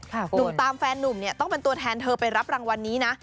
หนุ่มตามแฟนนุ่มเนี่ยต้องเป็นตัวแทนเธอไปรับรางวัลนี้นะ